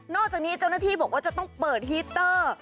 จากนี้เจ้าหน้าที่บอกว่าจะต้องเปิดฮีตเตอร์